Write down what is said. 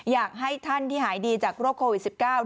อยากให้ท่านที่หายดีจากโรคโควิด๑๙